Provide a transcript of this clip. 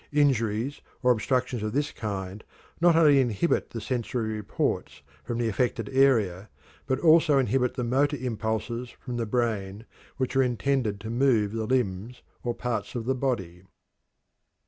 Injuries or obstructions of this kind not only inhibit the sensory reports from the affected area, but also inhibit the motor impulses from the brain which are intended to move the limbs or parts of the body.